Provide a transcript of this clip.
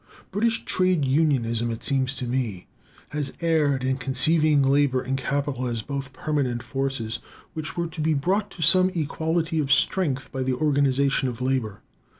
British trade unionism, it seems to me, has erred in conceiving labor and capital as both permanent forces, which were to be brought to some equality of strength by the organization of labor.